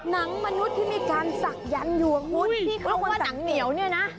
หนังมนุษย์ที่มีการศักดันอยู่คุณที่เขาว่าหนังเหนียวเนี่ยนะ